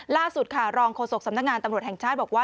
ล่าสุดค่ะรองโฆษกสำนักงานตำรวจแห่งชาติบอกว่า